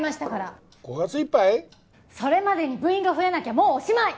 それまでに部員が増えなきゃもうおしまい！